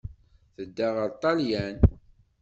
Tedda ɣer Ṭṭalyan.